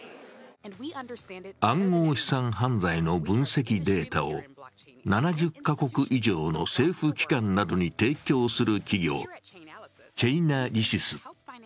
暗号資産犯罪の分析データを７０か国以上の政府機関などに提供する企業、チェイナリシス。